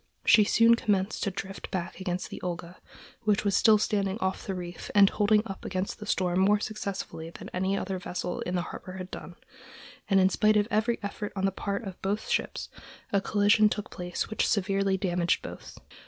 She soon commenced to drift back against the Olga, which was still standing off the reef and holding up against the storm more successfully than any other vessel in the harbor had done, and in spite of every effort on the part of both ships a collision took place which severely damaged both.